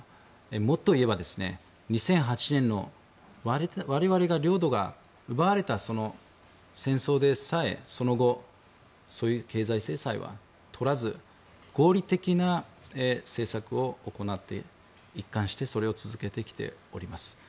もっと言えば２００８年の我々が領土が奪われた戦争でさえその後そういう経済制裁はとらず合理的な政策を行って、一貫してそれを続けてきております。